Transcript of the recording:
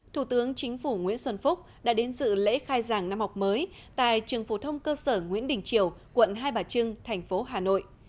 thủ tướng chính phủ nguyễn xuân phúc đã đến dự lễ khai giảng năm học mới tại trường phổ thông cơ sở nguyễn đình triều quận hai bà trưng thành phố hà nội